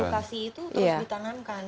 edukasi itu terus ditanamkan